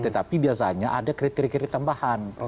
tetapi biasanya ada kriteri krite tambahan